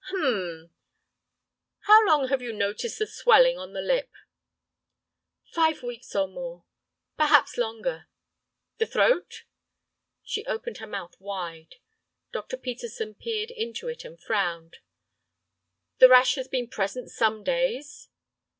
"Hum! How long have you noticed the swelling on the lip?" "Five weeks or more, perhaps longer." "The throat?" She opened her mouth wide. Dr. Peterson peered into it and frowned. "The rash has been present some days?"